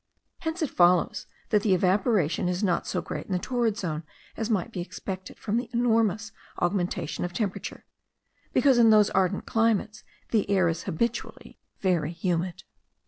Hence it follows that the evaporation is not so great in the torrid zone as might be expected from the enormous augmentation of temperature; because, in those ardent climates, the air is habitually very humid.